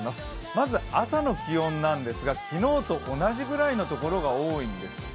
まず朝の気温なんですが昨日と同じぐらいのところが多いんですね。